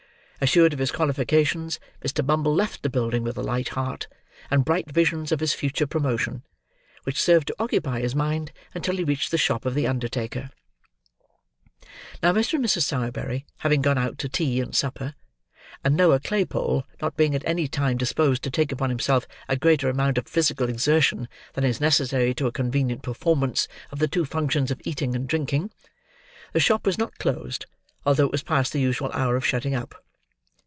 Assured of his qualifications, Mr. Bumble left the building with a light heart, and bright visions of his future promotion: which served to occupy his mind until he reached the shop of the undertaker. Now, Mr. and Mrs. Sowerberry having gone out to tea and supper: and Noah Claypole not being at any time disposed to take upon himself a greater amount of physical exertion than is necessary to a convenient performance of the two functions of eating and drinking, the shop was not closed, although it was past the usual hour of shutting up.